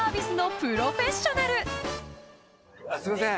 「すいません。